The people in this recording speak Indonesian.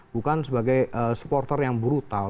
bukan sebagai supporter yang brutal